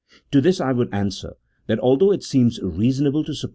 To this I would answer, that although it seems reasonable to suppose CHAP.